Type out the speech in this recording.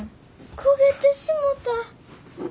焦げてしもた。